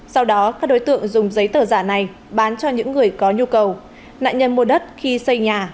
sau đó các đối tượng dùng giấy tờ giả này bán cho những người có nhu cầu nạn nhân mua đất khi xây nhà